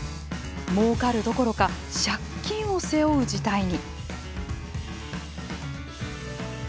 もうかるどころか借金を背負う事態に。